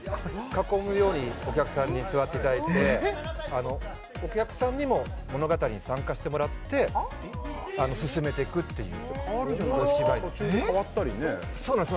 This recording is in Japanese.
囲むようにお客さんに座っていただいてお客さんにも物語に参加してもらって進めてくっていう芝居途中で変わったりねそうなんです